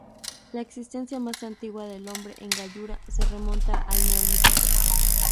La existencia más antigua del hombre en Gallura se remonta al Neolítico.